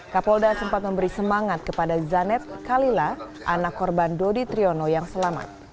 kapolda sempat memberi semangat kepada zanet kalila anak korban dodi triyono yang selamat